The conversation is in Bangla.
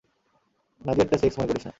নাদিয়ারটা সেক্স মনে করিস না।